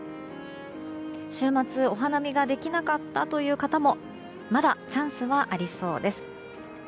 週末、お花見ができなかったという方もまだチャンスはありそうです。